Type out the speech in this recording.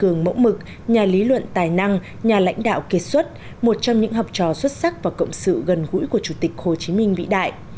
tổng bí thư trường mẫu mực nhà lý luận tài năng nhà lãnh đạo kết xuất một trong những học trò xuất sắc và cộng sự gần gũi của chủ tịch hồ chí minh vĩ đại